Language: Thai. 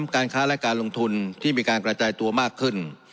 การค้าและการลงทุนที่มีการกระจายตัวมากขึ้น